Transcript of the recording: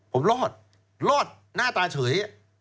ผมรอดรอดหน้าตาเฉย